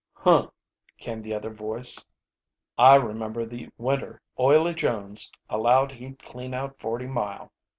"Huh!" came the other voice. "I remember the winter Oily Jones allowed he'd clean out Forty Mile.